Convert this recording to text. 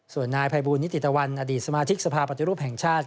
ส่วนนายภัยบูลนิติตะวันอดีตสมาธิกสภาปฏิรูปแห่งชาติ